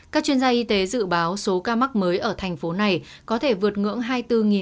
các chuyên gia y tế dự báo số ca mắc mới ở thành phố này có thể vượt ngưỡng